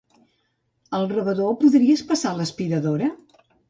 Al rebedor, podries passar l'aspiradora?